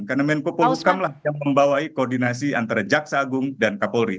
karena menko polhukam yang membawa koordinasi antara jaksa agung dan kapolri